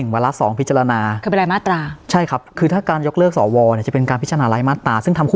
วันละ๑วันละ๒พิจารณา